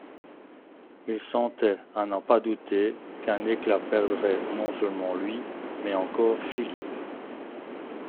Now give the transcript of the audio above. Il sentait, à n'en pas douter, qu'un éclat perdrait non seulement lui, mais encore Philippe.